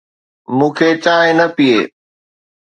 مون کي چانهه نه پيئي.